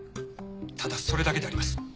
ただそれだけであります。